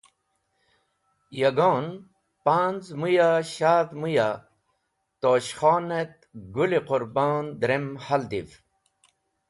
Yagon, panz̃ mũy a shadh mũy a Tosh Khon et Gũl-e Qũrbon drem haldi’ev.